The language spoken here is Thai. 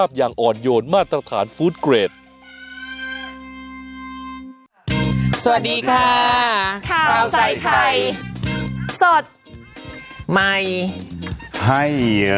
อื้อยังไงล่ะค่ะคุณพี่